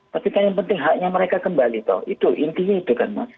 tapi kan yang penting haknya mereka kembali toh itu intinya itu kan mas